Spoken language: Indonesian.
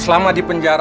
selama di penjara